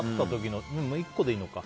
でも１個でいいのか。